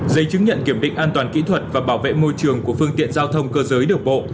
giấy chứng nhận kiểm định an toàn kỹ thuật và bảo vệ môi trường của phương tiện giao thông cơ giới được bộ